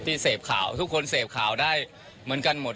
เสพข่าวทุกคนเสพข่าวได้เหมือนกันหมด